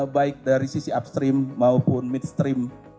baik dari sisi upstream maupun mitstream